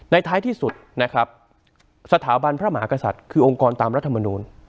ท้ายที่สุดนะครับสถาบันพระมหากษัตริย์คือองค์กรตามรัฐมนูล